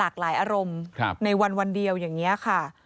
คนเดียวอย่างนี้ค่ะ